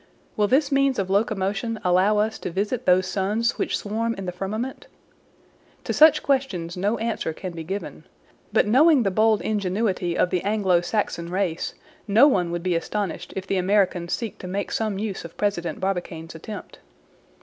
Will this means of locomotion allow us to visit those suns which swarm in the firmament? To such questions no answer can be given. But knowing the bold ingenuity of the Anglo Saxon race, no one would be astonished if the Americans seek to make some use of President Barbicane's attempt.